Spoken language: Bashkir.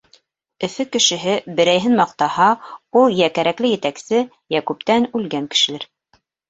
Өфө кешеһе берәйһен маҡтаһа, ул йә кәрәкле етәксе, йә күптән үлгән кешелер.